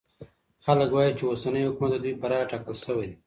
خلګ وايي چي اوسنی حکومت د دوی په رايه ټاکل سوی دی.